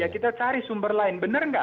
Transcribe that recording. kita cari sumber lain benar nggak